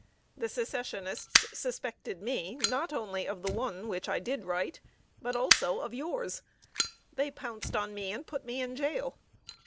The Secessionists suspected me not only of the one which I did write, but also of yours. They pounced on me and put me in jail.